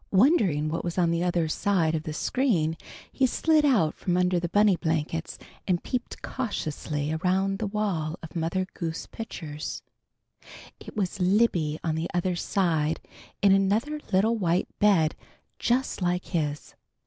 Wondering what was on the other side of the screen, he slid out from under the bunny blankets and peeped cautiously around the wall of Mother Goose pictures. It was Libby on the other side in another little white bed just like his.